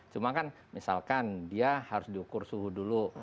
cuma kan misalkan dia harus diukur suhu dulu